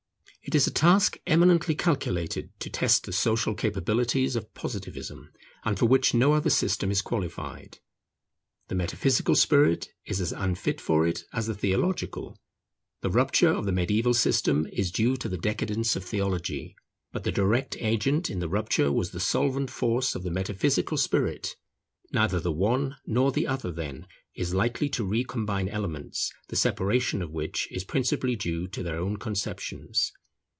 It is a task eminently calculated to test the social capabilities of Positivism, and for which no other system is qualified. The metaphysical spirit is as unfit for it as the theological. The rupture of the mediaeval system is due to the decadence of theology: but the direct agency in the rupture was the solvent force of the metaphysical spirit. Neither the one nor the other then is likely to recombine elements, the separation of which is principally due to their own conceptions.